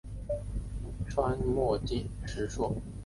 川黔石栎